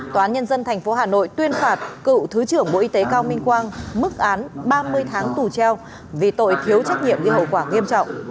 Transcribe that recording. tòa án nhân dân tp hà nội tuyên phạt cựu thứ trưởng bộ y tế cao minh quang mức án ba mươi tháng tù treo vì tội thiếu trách nhiệm gây hậu quả nghiêm trọng